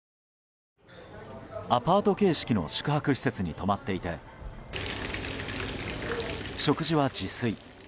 アパート形式の宿泊施設に泊まっていて食事は自炊。